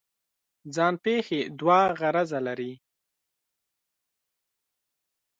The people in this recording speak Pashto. ځان پېښې دوه غرضه لري.